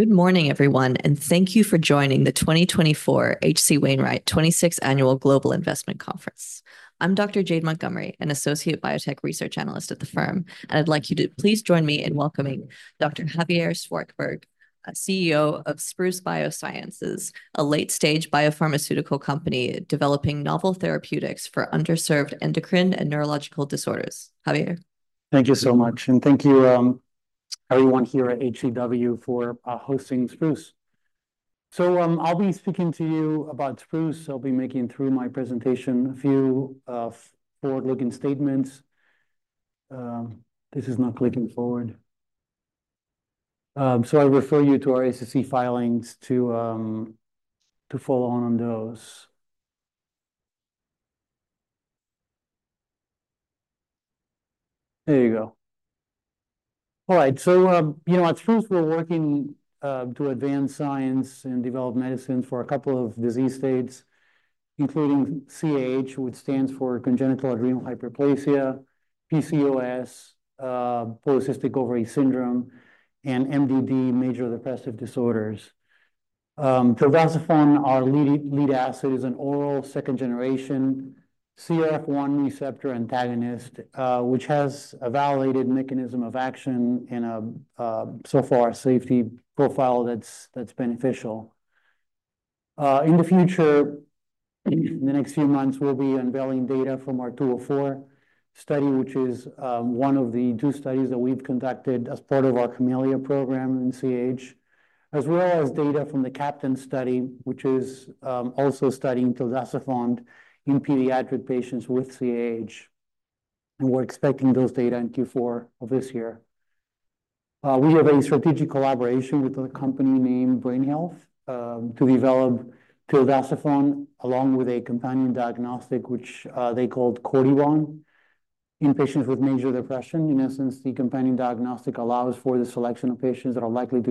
Good morning, everyone, and thank you for joining the 2024 H.C. Wainwright 26th Annual Global Investment Conference. I'm Dr. Jade Montgomery, an associate biotech research analyst at the firm, and I'd like you to please join me in welcoming Dr. Javier Szwarcberg, CEO of Spruce Biosciences, a late-stage biopharmaceutical company developing novel therapeutics for underserved endocrine and neurological disorders. Javier? Thank you so much, and thank you, everyone here at HCW for hosting Spruce. So, I'll be speaking to you about Spruce. I'll be making through my presentation a few forward-looking statements. This is not clicking forward. So I refer you to our SEC filings to follow on those. There you go. All right, so, you know, at Spruce, we're working to advance science and develop medicines for a couple of disease states, including CAH, which stands for congenital adrenal hyperplasia, PCOS, polycystic ovary syndrome, and MDD, major depressive disorders. Tildacerfont, our lead asset, is an oral second-generation CRF1 receptor antagonist, which has a validated mechanism of action and a, so far, safety profile that's beneficial. In the future, the next few months, we'll be unveiling data from our 204 study, which is one of the two studies that we've conducted as part of our CAHmelia program in CAH, as well as data from the CAHptain study, which is also studying tildacerfont in pediatric patients with CAH, and we're expecting those data in Q4 of this year. We have a strategic collaboration with a company named Brain Health to develop tildacerfont, along with a companion diagnostic, which they called Cortibon, in patients with major depression. In essence, the companion diagnostic allows for the selection of patients that are likely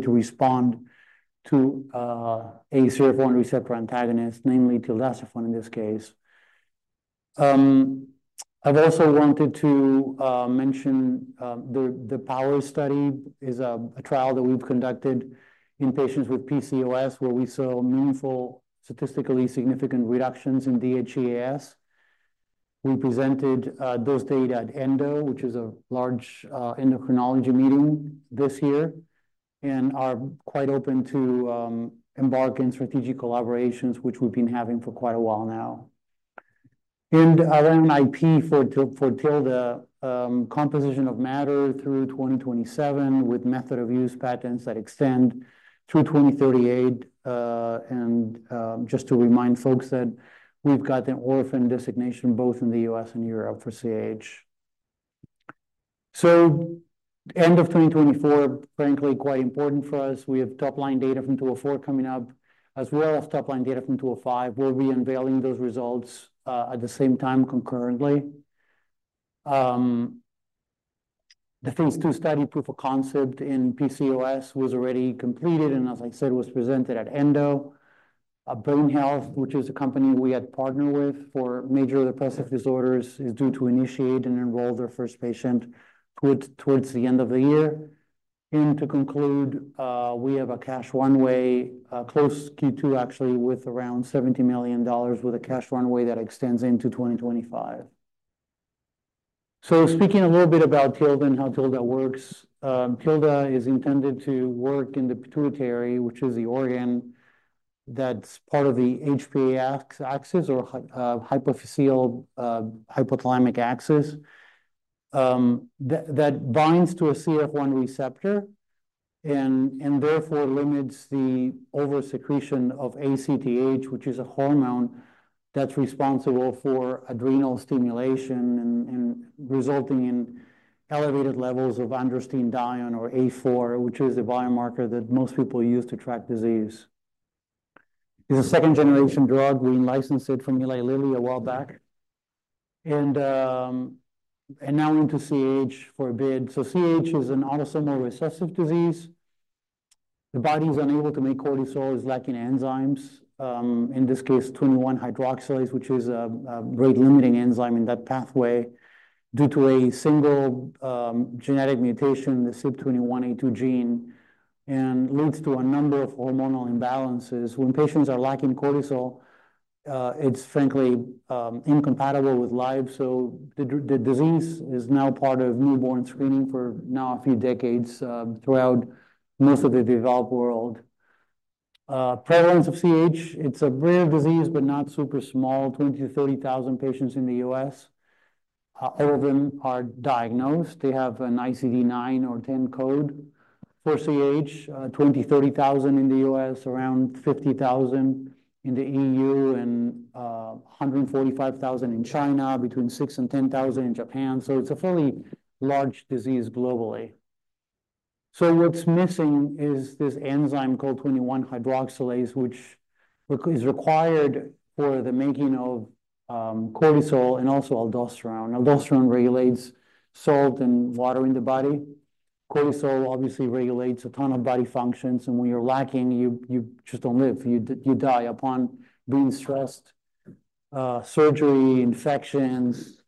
to respond to a CRF1 receptor antagonist, namely tildacerfont, in this case. I've also wanted to mention the POWER study is a trial that we've conducted in patients with PCOS, where we saw meaningful, statistically significant reductions in DHEAS. We presented those data at ENDO, which is a large endocrinology meeting this year, and are quite open to embark in strategic collaborations, which we've been having for quite a while now. And around IP for Tilda composition of matter through 2027, with method of use patents that extend through 2038. And just to remind folks that we've got an orphan designation, both in the U.S. and Europe, for CAH. So end of 2024, frankly, quite important for us. We have top-line data from 204 coming up, as well as top-line data from 205. We'll be unveiling those results at the same time, concurrently. The phase II study, proof of concept in PCOS, was already completed, and as I said, was presented at ENDO. Brain Health, which is a company we had partnered with for major depressive disorders, is due to initiate and enroll their first patient toward the end of the year. To conclude, we have a cash runway close to Q2, actually, with around $70 million, with a cash runway that extends into 2025. Speaking a little bit about Tilda and how Tilda works, Tilda is intended to work in the pituitary, which is the organ that's part of the HPA axis, or hypophyseal, hypothalamic axis. That binds to a CRF1 receptor and therefore limits the oversecretion of ACTH, which is a hormone that's responsible for adrenal stimulation and resulting in elevated levels of androstenedione, or A4, which is a biomarker that most people use to track disease. It's a 2nd-gen drug. We licensed it from Eli Lilly a while back. And now into CAH for a bit. So CAH is an autosomal recessive disease. The body's unable to make cortisol. It's lacking enzymes, in this case, twenty-one hydroxylase, which is a rate-limiting enzyme in that pathway, due to a single genetic mutation, the CYP21A2 gene, and leads to a number of hormonal imbalances. When patients are lacking cortisol, it's frankly incompatible with life. So the disease is now part of newborn screening for now a few decades, throughout most of the developed world. Prevalence of CAH, it's a rare disease, but not super small, 20-30 thousand patients in the U.S. All of them are diagnosed. They have an ICD-9 or ICD-10 code for CAH, around 50 thousand in the EU, and 145,000 in China, between 6 and 10 thousand in Japan, so it's a fairly large disease globally. So what's missing is this enzyme called 21-hydroxylase, which is required for the making of cortisol and also aldosterone. Aldosterone regulates salt and water in the body. Cortisol obviously regulates a ton of body functions, and when you're lacking, you just don't live. You die upon being stressed.... Surgery, infections,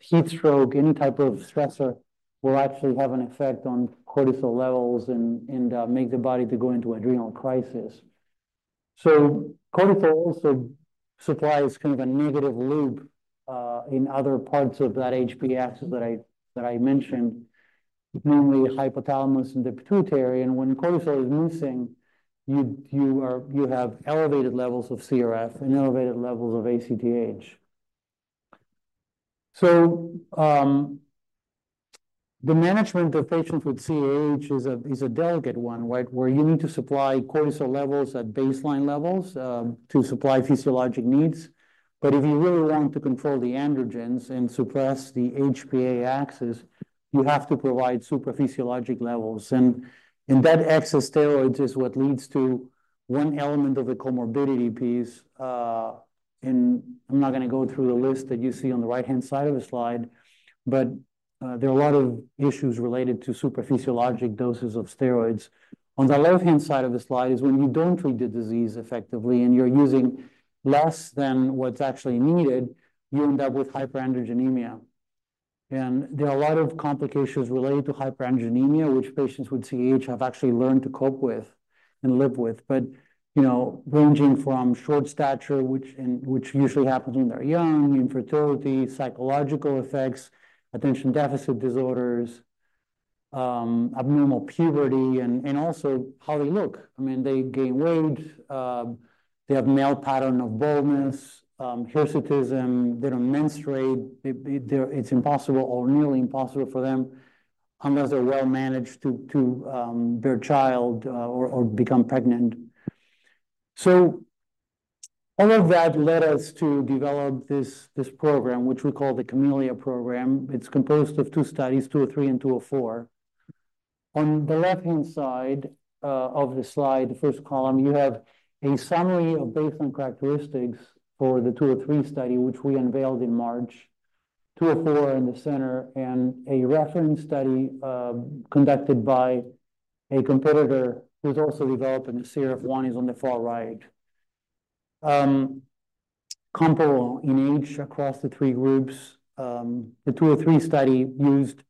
heat stroke, any type of stressor will actually have an effect on cortisol levels and make the body to go into adrenal crisis. So cortisol also supplies kind of a negative loop in other parts of that HPA axis that I mentioned, normally hypothalamus and the pituitary. And when cortisol is missing, you have elevated levels of CRF and elevated levels of ACTH. So the management of patients with CAH is a delicate one, right? Where you need to supply cortisol levels at baseline levels to supply physiologic needs. But if you really want to control the androgens and suppress the HPA axis, you have to provide supraphysiologic levels. And that excess steroids is what leads to one element of the comorbidity piece. And I'm not gonna go through the list that you see on the right-hand side of the slide, but there are a lot of issues related to supraphysiologic doses of steroids. On the left-hand side of the slide is when you don't treat the disease effectively, and you're using less than what's actually needed, you end up with hyperandrogenemia. And there are a lot of complications related to hyperandrogenemia, which patients with CAH have actually learned to cope with and live with. But, you know, ranging from short stature, which usually happens when they're young, infertility, psychological effects, attention deficit disorders, abnormal puberty, and also how they look. I mean, they gain weight, they have male pattern of baldness, hirsutism. They don't menstruate. It's impossible or nearly impossible for them, unless they're well managed, to bear a child, or become pregnant. So all of that led us to develop this program, which we call the CAHmelia program. It's composed of two studies, 203 and 204. On the left-hand side of the slide, the first column, you have a summary of baseline characteristics for the 203 study, which we unveiled in March, 204 in the center, and a reference study conducted by a competitor who's also developing a CRF1, is on the far right. Comparable in age across the three groups. The 203 study used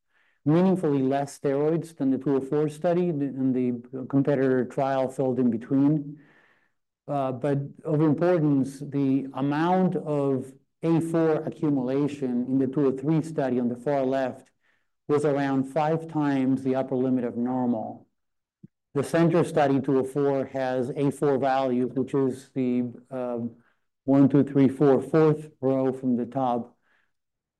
meaningfully less steroids than the 204 study, and the competitor trial filled in between. But of importance, the amount of A4 accumulation in the 203 study on the far left was around five times the upper limit of normal. The center study, 204, has A4 value, which is the one, two, three, four, fourth row from the top,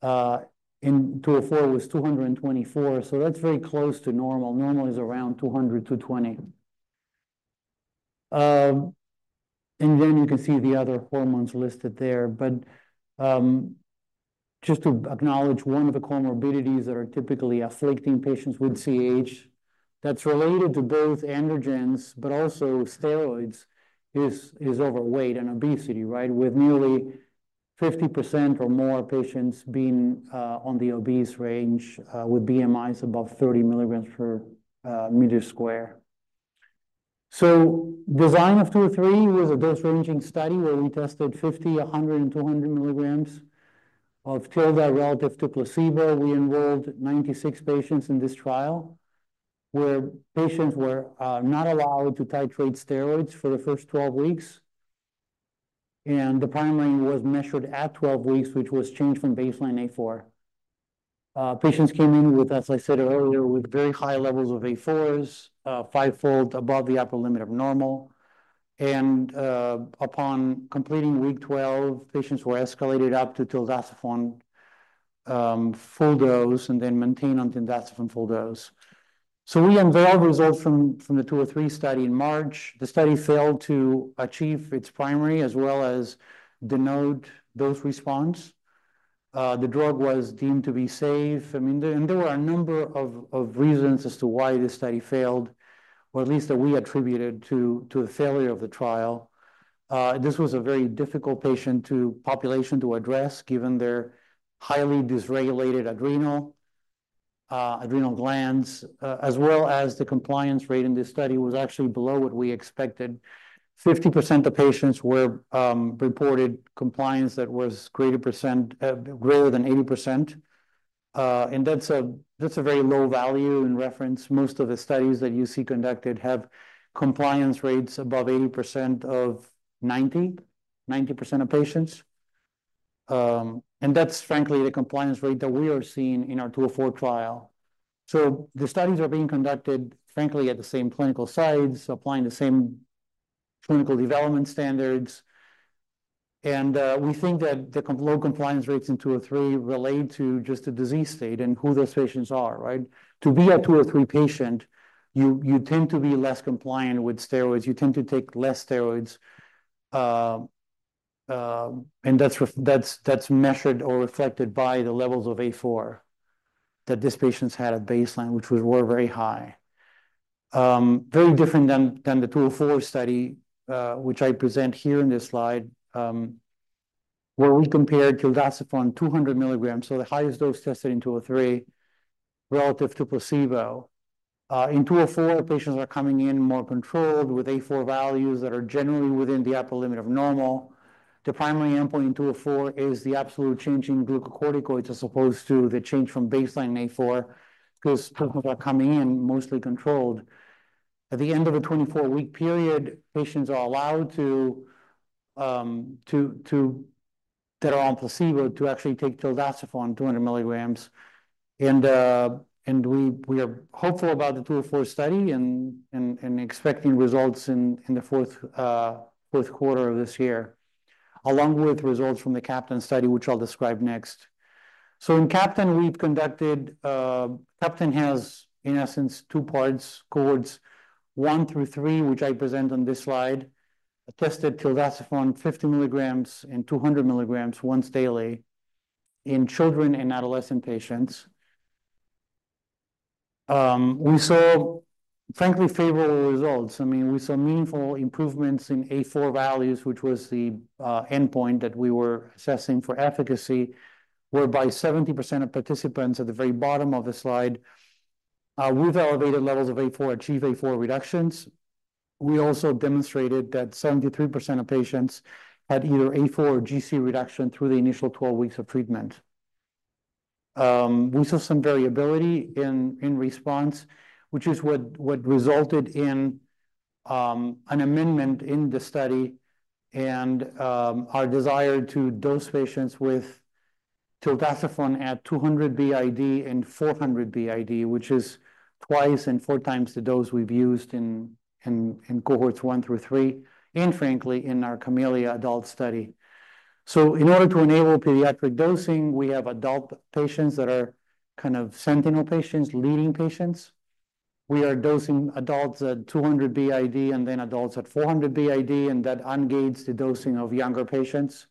and 204 was 224, so that's very close to normal. Normal is around 200-220. And then you can see the other hormones listed there. But just to acknowledge one of the comorbidities that are typically afflicting patients with CAH, that's related to both androgens but also steroids, is overweight and obesity, right? With nearly 50% or more patients being on the obese range, with BMIs above 30mg/m². The design of 203 was a dose-ranging study, where we tested 50, 100, and 200 milligrams of tildacerfont relative to placebo. We enrolled 96 patients in this trial, where patients were not allowed to titrate steroids for the first 12 weeks. The primary was measured at 12 weeks, which was change from baseline A4. Patients came in with, as I said earlier, very high levels of A4s, fivefold above the upper limit of normal. Upon completing week 12, patients were escalated up to the tildacerfont full dose, and then maintained on tildacerfont full dose. We unveiled results from the 203 study in March. The study failed to achieve its primary, as well as demonstrate dose response. The drug was deemed to be safe. I mean, and there were a number of reasons as to why this study failed, or at least that we attributed to the failure of the trial. This was a very difficult patient population to address, given their highly dysregulated adrenal glands, as well as the compliance rate in this study was actually below what we expected. 50% of patients were reported compliance that was greater than 80%. And that's a very low value in reference. Most of the studies that you see conducted have compliance rates above 80% or 90%, 90% of patients. And that's frankly the compliance rate that we are seeing in our 204 trial. So the studies are being conducted, frankly, at the same clinical sites, applying the same clinical development standards. We think that the low compliance rates in two or three relate to just the disease state and who those patients are, right? To be a two or three patient, you tend to be less compliant with steroids. You tend to take less steroids. And that's measured or affected by the levels of A4 that these patients had at baseline, which were very high. Very different than the two or four study, which I present here in this slide, where we compared tildacerfont 200 milligrams, so the highest dose tested in two or three relative to placebo. In two or four, patients are coming in more controlled, with A4 values that are generally within the upper limit of normal. The primary endpoint in 204 is the absolute change in glucocorticoids, as opposed to the change from baseline A4, because patients are coming in mostly controlled. At the end of a 24-week period, patients that are on placebo are allowed to actually take tildacerfont, 200 milligrams. And we are hopeful about the 204 study and expecting results in the Q4 of this year, along with results from the CAHptain study, which I'll describe next. So in CAHptain, we've conducted. CAHptain has, in essence, two parts, cohorts one through three, which I present on this slide. Tested tildacerfont 50 milligrams and 200 milligrams once daily in children and adolescent patients. We saw, frankly, favorable results. I mean, we saw meaningful improvements in A4 values, which was the endpoint that we were assessing for efficacy, whereby 70% of participants at the very bottom of the slide with elevated levels of A4 achieve A4 reductions. We also demonstrated that 73% of patients had either A4 or GC reduction through the initial 12 weeks of treatment. We saw some variability in response, which is what resulted in an amendment in the study and our desire to dose patients with tildacerfont at 200 BID and 400 BID, which is twice and four times the dose we've used in cohorts one through three, and frankly, in our CAHmelia adult study. So in order to enable pediatric dosing, we have adult patients that are kind of sentinel patients, leading patients. We are dosing adults at 200 BID and then adults at 400 BID, and that ungates the dosing of younger patients.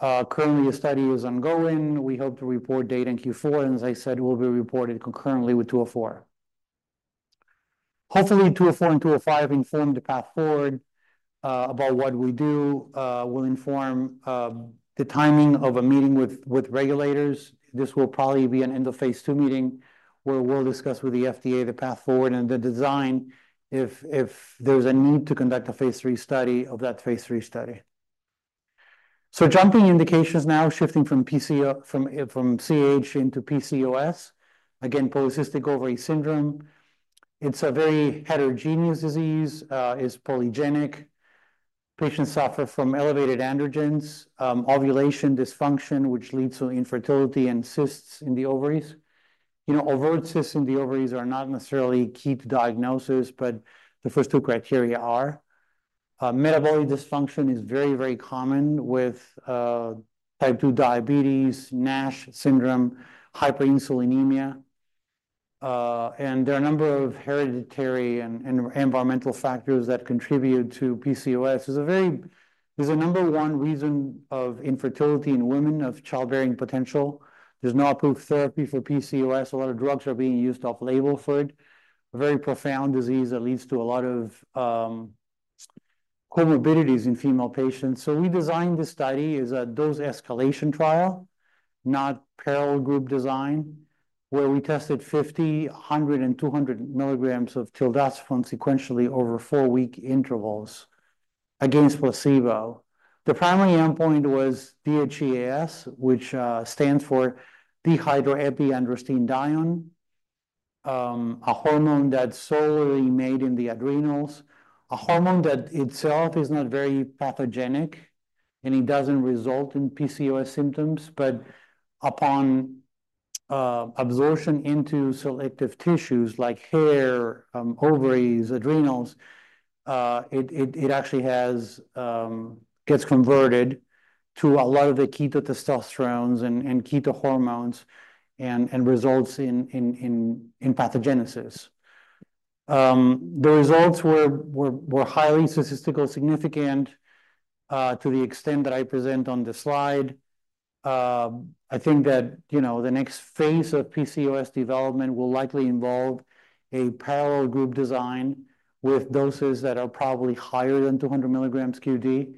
Currently, the study is ongoing. We hope to report data in Q4, and as I said, will be reported concurrently with 204. Hopefully, 204 and 205 inform the path forward, about what we do. Will inform the timing of a meeting with regulators. This will probably be an end of phase II meeting, where we'll discuss with the FDA the path forward and the design if there's a need to conduct a phase III study, of that phase III study. Jumping indications now, shifting from CAH into PCOS. Again, polycystic ovary syndrome, it's a very heterogeneous disease, is polygenic. Patients suffer from elevated androgens, ovulation dysfunction, which leads to infertility and cysts in the ovaries. You know, overt cysts in the ovaries are not necessarily key to diagnosis, but the first two criteria are. Metabolic dysfunction is very, very common with type two diabetes, NASH syndrome, hyperinsulinemia, and there are a number of hereditary and environmental factors that contribute to PCOS. It's the number one reason of infertility in women of childbearing potential. There's no approved therapy for PCOS. A lot of drugs are being used off-label for it. A very profound disease that leads to a lot of comorbidities in female patients, so we designed this study as a dose escalation trial, not parallel group design, where we tested 50, 100, and 200 milligrams of tildacerfont sequentially over four-week intervals against placebo. The primary endpoint was DHEAS, which stands for dehydroepiandrosterone, a hormone that's solely made in the adrenals, a hormone that itself is not very pathogenic, and it doesn't result in PCOS symptoms. But upon absorption into selective tissues like hair, ovaries, adrenals, it actually has, gets converted to a lot of the ketotestosterones and keto hormones and results in pathogenesis. The results were highly statistically significant, to the extent that I present on the slide. I think that, you know, the next phase of PCOS development will likely involve a parallel group design with doses that are probably higher than 200 milligrams QD,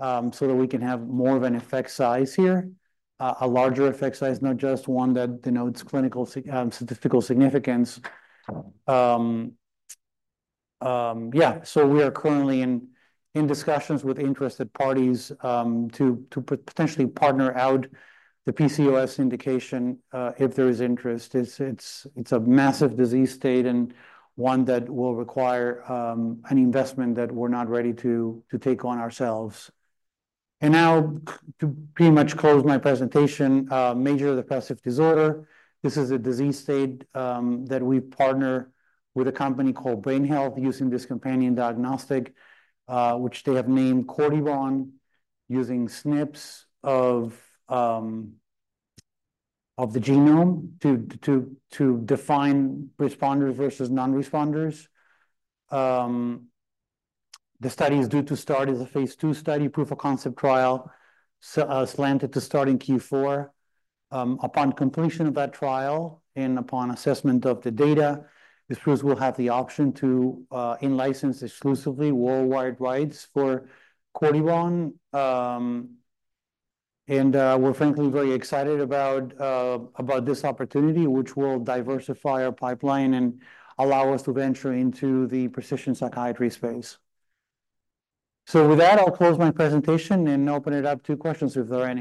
so that we can have more of an effect size here, a larger effect size, not just one that denotes statistical significance. Yeah, so we are currently in discussions with interested parties to potentially partner out the PCOS indication, if there is interest. It's a massive disease state and one that will require an investment that we're not ready to take on ourselves. And now, to pretty much close my presentation, major depressive disorder. This is a disease state that we partner with a company called Brain Health, using this companion diagnostic, which they have named Cortibon, using SNPs of the genome to define responders versus non-responders. The study is due to start as a phase two study, proof of concept trial, slated to start in Q4. Upon completion of that trial and upon assessment of the data, Spruce will have the option to in-license exclusively worldwide rights for Cortibon, and we're frankly very excited about this opportunity, which will diversify our pipeline and allow us to venture into the precision psychiatry space. So with that, I'll close my presentation and open it up to questions, if there are any.